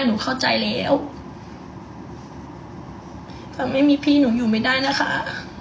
หนูเข้าใจแล้วถ้าไม่มีพี่หนูอยู่ไม่ได้นะคะ